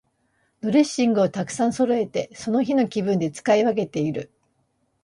ドレッシングをたくさんそろえて、その日の気分で使い分けている。